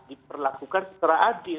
diperlakukan secara adil